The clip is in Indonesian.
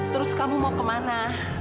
terus kamu mau kemana